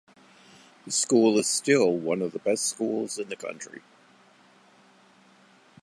The school is still one of the best schools in the country.